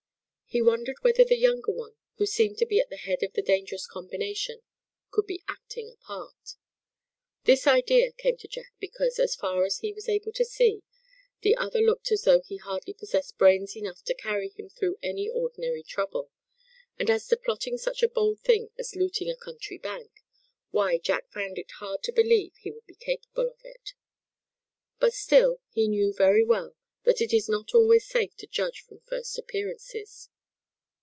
He wondered whether the younger one, who seemed to be at the head of the dangerous combination, could be acting a part. This idea came to Jack because, as far as he was able to see, the other looked as though he hardly possessed brains enough to carry him through any ordinary trouble; and as to plotting such a bold thing as looting a country bank, why, Jack found it hard to believe he would be capable of it. But still, he knew very well that it is not always safe to judge from first appearances.